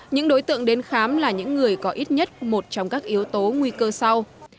những đối tượng đến khám là những người có ít nhất một trong các yếu tố nguy cơ sau